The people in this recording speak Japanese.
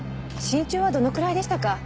身長はどのくらいでしたか？